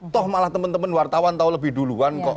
toh malah teman teman wartawan tahu lebih duluan kok